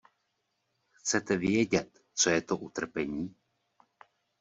Chcete vědět, co je to utrpení?